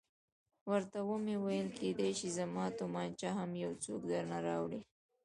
ورته ومې ویل کېدای شي زما تومانچه هم یو څوک درته راوړي.